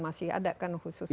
masih ada kan khusus untuk covid